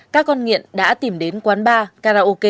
các con nghiện đã tìm đến quán bar karaoke sử dụng buôn bán ma túy